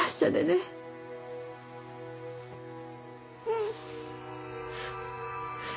うん。